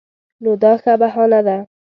نو دا ښه بهانه ده.